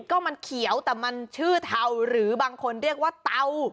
ก็มันเขียวแต่มันชื่อเทาหรือบางคนเรียกว่าเตา